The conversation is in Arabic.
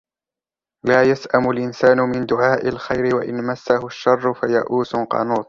لَا يَسْأَمُ الْإِنْسَانُ مِنْ دُعَاءِ الْخَيْرِ وَإِنْ مَسَّهُ الشَّرُّ فَيَئُوسٌ قَنُوطٌ